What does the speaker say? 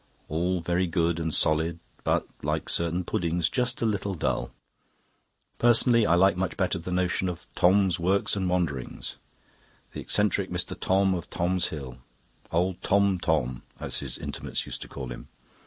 All very good and solid, but, like certain puddings, just a little dull. Personally, I like much better the notion of 'Thom's Works and Wanderings'. The eccentric Mr. Thom of Thom's Hill. Old Tom Thom, as his intimates used to call him.